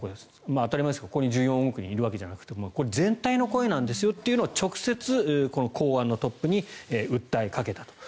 当たり前ですが、ここに１４億人いるわけじゃなくて全体の声なんですよというのを直接、公安のトップに訴えかけたと。